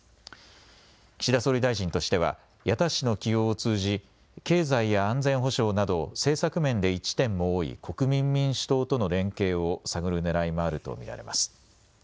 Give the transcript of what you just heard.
岸田総理大臣としては矢田氏の起用を通じ経済や安全保障など政策面で一致点も多い国民民主党との連携を探るねらいもあると見られます。